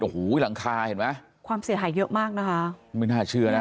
โอ้โหหลังคาเห็นไหมความเสียหายเยอะมากนะคะไม่น่าเชื่อนะ